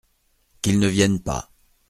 Qu’il ne vienne pas.